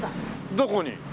どこに？